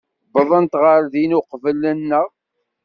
Uwḍent ɣer din uqbel-nneɣ.